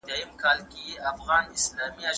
شاعر له سپینې سپوږمۍ څخه غواړي چې د ده پیغام یوسي.